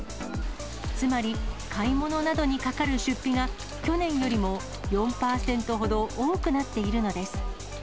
つまり、買い物などにかかる出費が、去年よりも４％ほど多くなっているのです。